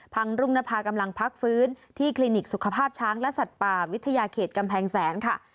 รุ่งนภากำลังพักฟื้นที่คลินิกสุขภาพช้างและสัตว์ป่าวิทยาเขตกำแพงแสนค่ะ